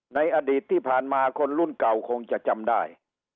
ในอดีตที่ผ่านมาคนรุ่นเก่าคงจะจำได้